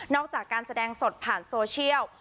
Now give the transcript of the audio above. จากการแสดงสดผ่านโซเชียล